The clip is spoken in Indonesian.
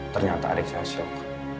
ternyata alik saya shock